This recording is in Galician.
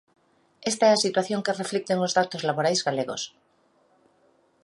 Esta é a situación que reflicten os datos laborais galegos.